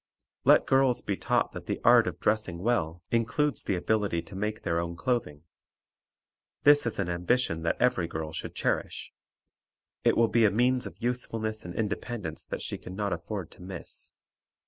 Let girls be taught that the art of dressing well JEccl. 3:11, R. V. Relation of Dress to Education 249 includes the ability to make their own clothing. This is an ambition that every girl should cherish. It will be a means of usefulness and independence that she can not afford to miss.